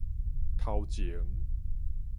頭前